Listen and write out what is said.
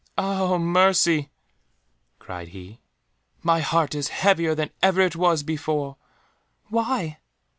"Ah mercy," cried he, "my heart is heavier than ever it was before!" "Why?"